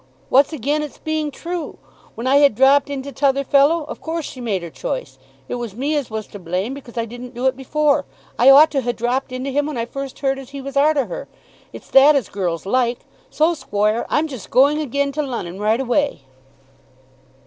What's again its being true? When I had dropped into t'other fellow, of course she made her choice. It was me as was to blame, because I didn't do it before. I ought to ha' dropped into him when I first heard as he was arter her. It's that as girls like. So, squoire, I'm just going again to Lon'on right away."